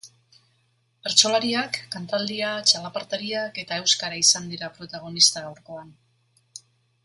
Bertsolariak, kantaldia, txalapartariak eta euskara izan dira protagonista gaurkoan.